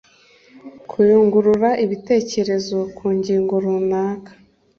kuyungurura ibitekerezo ku ngingo runaka